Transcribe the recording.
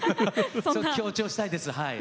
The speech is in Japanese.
強調したいですはい。